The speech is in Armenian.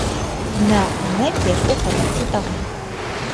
Նա ուներ երկու խելացի տղա։